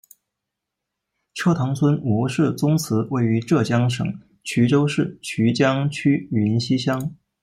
车塘村吴氏宗祠位于浙江省衢州市衢江区云溪乡。